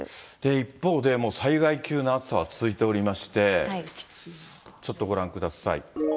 一方で、もう災害級の暑さは続いておりまして、ちょっとご覧ください。